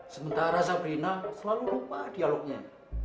sementara zabrina selalu lupa dialognya